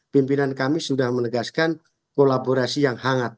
pimpinan kami sudah menegaskan kolaborasi yang hangat